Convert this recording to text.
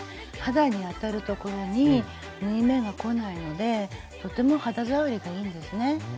肌に当たる所に縫い目がこないのでとても肌触りがいいんですね。